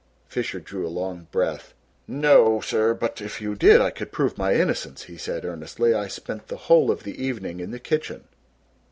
Fisher drew a long breath. "No, sir, but if you did I could prove my innocence," he said earnestly. "I spent the whole of the evening in the kitchen."